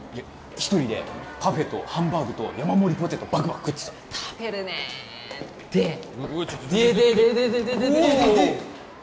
１人でパフェとハンバーグと山盛りポテトバクバク食ってた食べるねえでででででちょちょちょっおおっ！